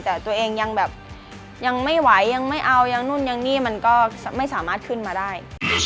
แต่ตัวเองยังแบบไม่ไหวไม่เอาก็ไม่สามารถขึ้นมาได้